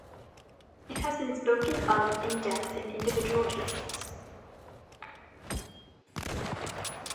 It has been spoken of in depth in individual cases.